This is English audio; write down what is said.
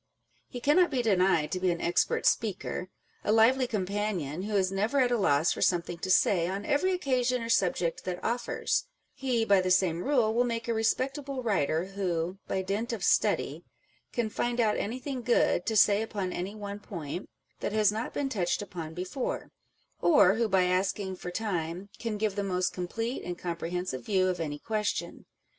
He cannot be denied to be an expert speaker, a lively companion, who is never at a loss for something to say on every occasion or subject that offers : he, by the same rule, will make a respectable writer, who, by dint of study, can find out anything good to say upon any one point that has not been touched upon before, or who by asking for time, can give the most com plete and comprehensive view of any question.